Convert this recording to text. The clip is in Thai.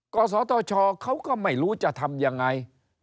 กศธชเขาก็ไม่รู้จะทำยังไง